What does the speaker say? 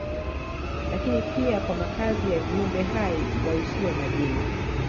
Lakini pia kwa makazi ya viumbe hai waishio majini